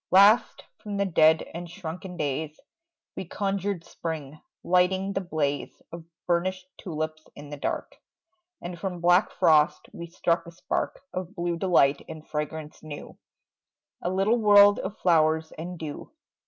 Last, from the dead and shrunken days We conjured spring, lighting the blaze Of burnished tulips in the dark; And from black frost we struck a spark Of blue delight and fragrance new, A little world of flowers and dew.